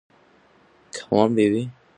Caves are Banton's well-known natural formations.